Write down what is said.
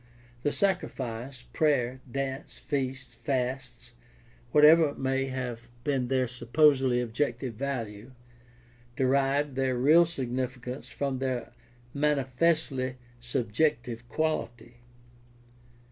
The sacrifice, prayer, dance, feasts, fasts, whatever may have been their supposedly objective value, derived their real significance from their manifestly sub PRACTICAL THEOLOGY 673 jective quality.